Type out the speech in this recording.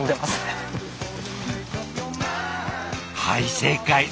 はい正解。